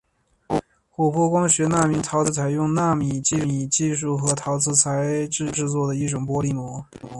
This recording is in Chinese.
琥珀光学纳米陶瓷膜是采用纳米技术和陶瓷材质加工制作的一种玻璃膜。